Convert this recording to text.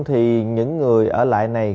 thì những người ở lại này